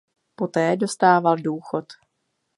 Poté dostával důchod.